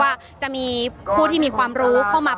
อย่างที่บอกไปว่าเรายังยึดในเรื่องของข้อ